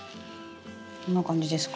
こんな感じですか？